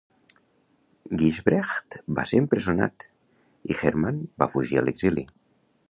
Gijsbrecht va ser empresonat, i Herman va fugir a l'exili.